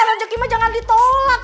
rejeki mah jangan ditolak